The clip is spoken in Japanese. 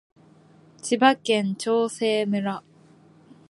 千葉県長生村